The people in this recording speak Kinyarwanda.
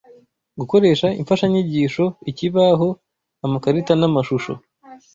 Gukoresha imfashanyigisho, ikibaho, amakarita n’amashusho